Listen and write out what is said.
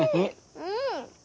うん。